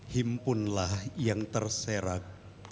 himpunlah yang terserak